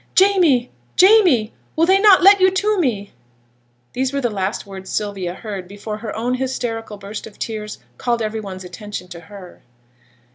'Jamie! Jamie! will they not let you to me?' Those were the last words Sylvia heard before her own hysterical burst of tears called every one's attention to her.